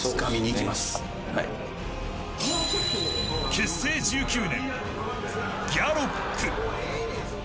結成１９年、ギャロップ。